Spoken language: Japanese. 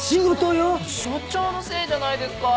所長のせいじゃないですか！